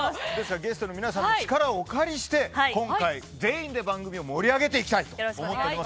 ゲストの皆さんの力をお借りして今回全員で番組を盛り上げていきたいと思っています。